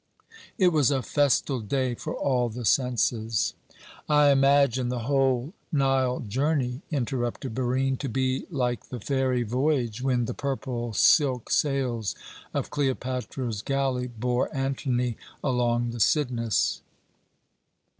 It was a festal day for all the senses." "I imagine the whole Nile journey," interrupted Barine, "to be like the fairy voyage, when the purple silk sails of Cleopatra's galley bore Antony along the Cydnus."